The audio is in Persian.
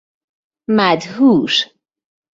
مدهوش